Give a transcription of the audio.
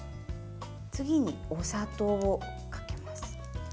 次に、お砂糖をかけます。